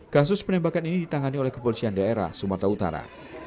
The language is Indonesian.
kasus penembakan ini ditangani oleh kepolisian daerah sumatera utara